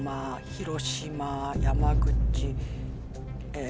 広島山口え。